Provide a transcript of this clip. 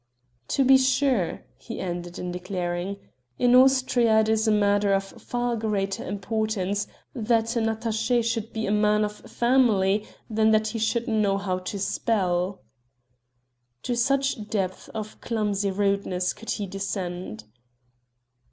"To be sure," he ended by declaring, "in Austria it is a matter of far greater importance that an attaché should be a man of family than that he should know how to spell." To such depths of clumsy rudeness could he descend.